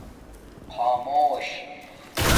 خآمُوش